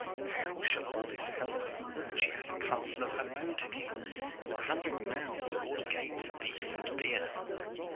How shall all this help her when she has castle of her own to keep, with a hundred mouths all agape for beef and beer?"